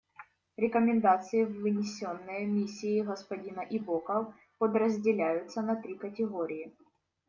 Рекомендации, вынесенные Миссией господина Ибока, подразделяются на три категории.